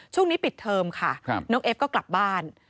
ช่วงนี้ปิดเทอมค่ะน้องเอฟก็กลับบ้าน